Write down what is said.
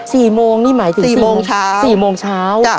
สี่โมงนี่หมายถึงสี่โมงเช้าสี่โมงเช้า